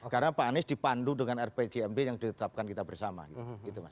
karena pak anies dipandu dengan rpjmb yang ditetapkan kita bersama gitu mas